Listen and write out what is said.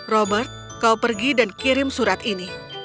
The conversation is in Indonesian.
robert kau pergi dan kirim surat ini